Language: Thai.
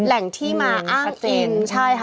แหล่งที่มาอ้างอิงใช่ค่ะ